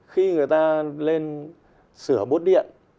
khi người ta lên sửa bốt điện